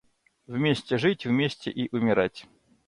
Вместе жить, вместе и умирать.